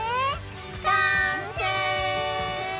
完成！